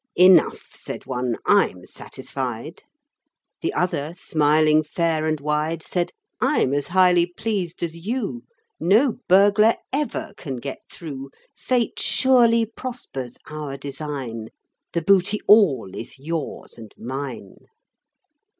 "Enough," said one: "I'm satisfied." The other, smiling fair and wide, Said: "I'm as highly pleased as you: No burglar ever can get through. Fate surely prospers our design The booty all is yours and mine."